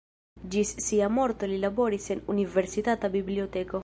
Ĝis sia morto li laboris en Universitata Biblioteko.